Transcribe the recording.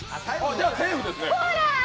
じゃあセーフですね。